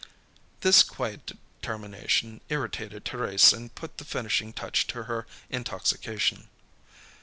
This quiet determination irritated Thérèse and put the finishing touch to her intoxication.